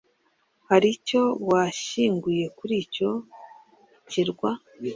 Hari icyo washyinguye kuri icyo kirwa?